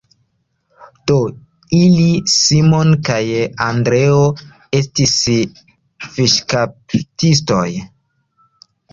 De ili Simon kaj Andreo estis fiŝkaptistoj.